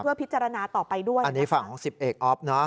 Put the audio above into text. พิจารณาต่อไปด้วยอันนี้ฝั่งของสิบเอกอ๊อฟเนอะ